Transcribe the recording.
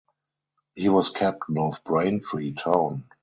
He was captain of Braintree Town.